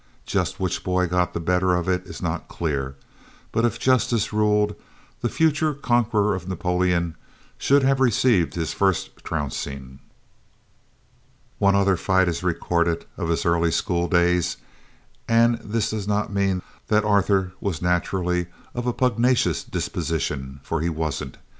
Just which boy got the better of it is not clear, but if justice ruled, the future conqueror of Napoleon should have received his first trouncing. One other fight is recorded of his early schooldays and this does not mean that Arthur was naturally of a pugnacious disposition, for he wasn't.